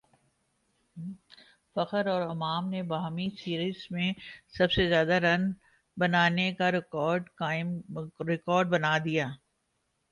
فخر اور امام نے باہمی سیریز میں سب سے زیادہ رنز بنانے کاریکارڈ بنادیا